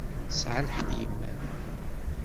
Tesɛa lḥeqq yemma-m.